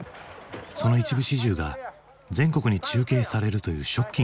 その一部始終が全国に中継されるというショッキングな出来事だった。